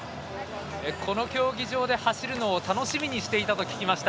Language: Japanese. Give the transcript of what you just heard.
この競技場で走るのを楽しみにしていたと聞きました。